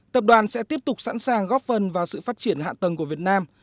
tập đoàn sẽ tiếp tục sẵn sàng góp phần vào sự phát triển hạ tầng của việt nam